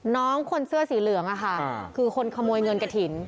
น้องคนเสื้อสีเหลืองค่ะคือคนขโมยเงินกระถิ่น